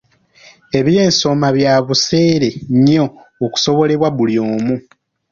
Eby'ensoma bya buseere nnyo okusobolebwa buli omu.